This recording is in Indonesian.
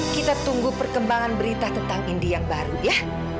kita tunggu perkembangan berita tentang india yang baru ya